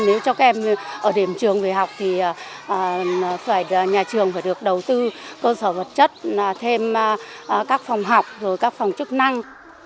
nếu cho các em ở điểm trường về học thì nhà trường phải được đầu tư cơ sở vật chất thêm các phòng học rồi các phòng chức năng